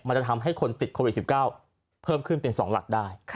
จะทำให้คนติดโควิด๑๙เพิ่มขึ้นเป็น๒หลักได้